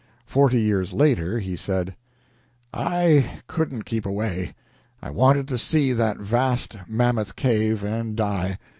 Forty years later he said: "I couldn't keep away. I wanted to see that vast Mammoth Cave, and die.